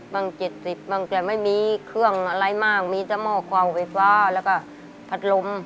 ๒๖๐บาง๗๐บางแต่ไม่มีเครื่องอะไรมากมีจมอกควาเวฟฟ้าแล้วก็ผัดลม